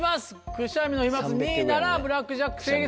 くしゃみの飛沫が２位ならブラックジャック成立。